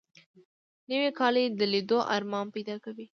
نوې کلی د لیدو ارمان پیدا کوي